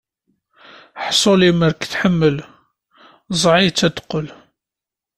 Ḥṣu lemmer i k-tḥemmel, ẓẓeɛ-itt ad d-teqqel.